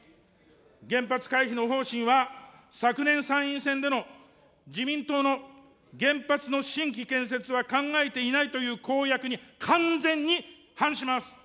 原発回帰の方針は、昨年参院選での自民党の原発の新規建設は考えていないという公約に完全に反します。